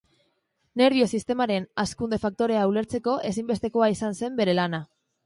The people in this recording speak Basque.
Nerbio sistemaren hazkunde faktorea ulertzeko ezinbestekoa izan zen bere lana.